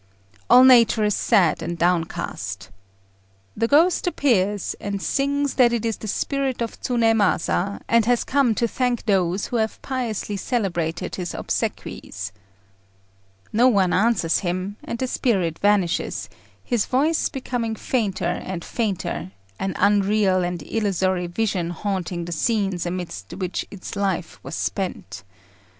All nature is sad and downcast. The ghost appears, and sings that it is the spirit of Tsunémasa, and has come to thank those who have piously celebrated his obsequies. No one answers him, and the spirit vanishes, its voice becoming fainter and fainter, an unreal and illusory vision haunting the scenes amid which its life was spent.